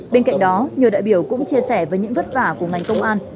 bên cạnh đó nhiều đại biểu cũng chia sẻ với những vất vả của ngành công an